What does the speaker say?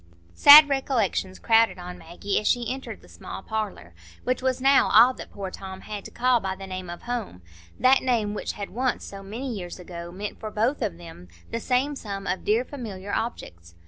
Sad recollections crowded on Maggie as she entered the small parlour, which was now all that poor Tom had to call by the name of "home,"—that name which had once, so many years ago, meant for both of them the same sum of dear familiar objects.